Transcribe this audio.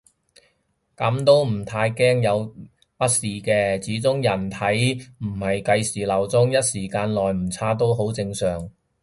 噉都唔太驚有乜事嘅，始終人體唔係計時鬧鐘，一星期內嘅誤差都好正常